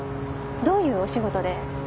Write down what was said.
どういうお仕事で？